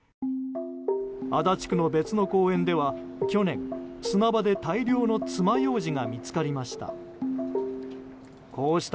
足立区の別の公園では去年、砂場で大量のつまようじが見つかりました。